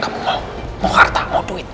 mau harta mau duit